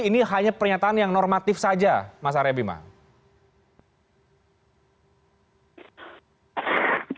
ini hanya pernyataan yang normatif saja mas arya bima